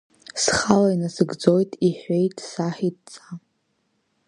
Схала инасыгӡоит иҳәеит саҳ идҵа.